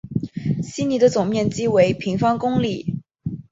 希尼的总面积为平方公里。